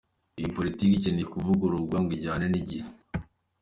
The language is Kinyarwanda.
Iyi politiki ikeneye kuvugururwa ngo ijyane n’igihe.